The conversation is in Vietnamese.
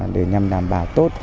để nhằm đảm bảo tốt